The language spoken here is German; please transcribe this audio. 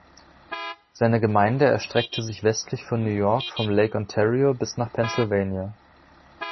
Seine Gemeinde erstreckte sich westlich von New York vom Lake Ontario bis nach Pennsylvania.